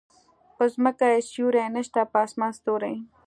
په ځمکه يې سیوری نشته په اسمان ستوری